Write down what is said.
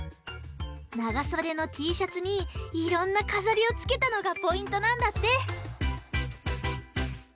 ながそでのＴシャツにいろんなかざりをつけたのがポイントなんだって！